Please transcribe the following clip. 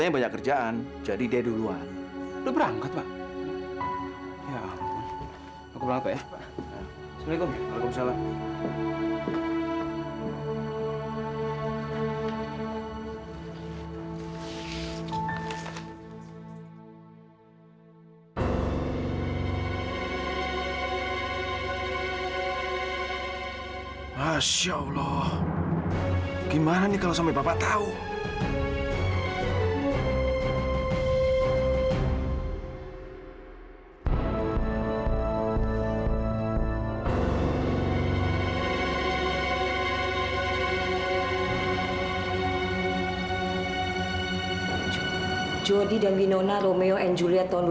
bermalam bersama cobain kamu